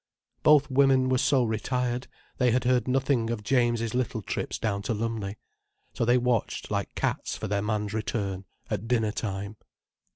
Both women were so retired, they had heard nothing of James's little trips down to Lumley. So they watched like cats for their man's return, at dinner time.